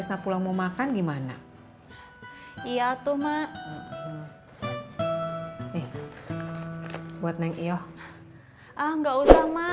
sayin lu pokoknya